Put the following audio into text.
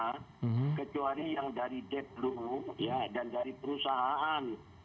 kecuali yang dari depro